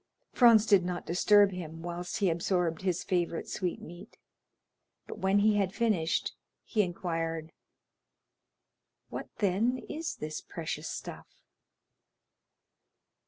Franz did not disturb him whilst he absorbed his favorite sweetmeat, but when he had finished, he inquired: "What, then, is this precious stuff?"